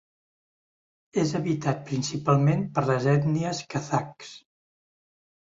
És habitat principalment per les ètnies kazakhs.